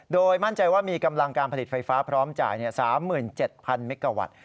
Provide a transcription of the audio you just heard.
โดยมั่นใจว่ามีกำลังการผลิตไฟฟ้าพร้อมจ่าย๓๗๐๐เมกาวัตต์